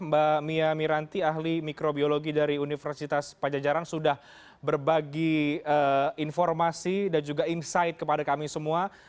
mbak mia miranti ahli mikrobiologi dari universitas pajajaran sudah berbagi informasi dan juga insight kepada kami semua